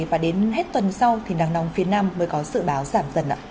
và đến hết tuần sau thì nắng nóng phía nam mới có sự báo giảm dần